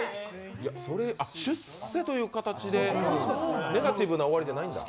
出世という形でネガティブな終わりじゃないんですね。